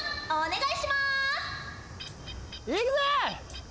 いくぜ！